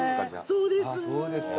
そうです。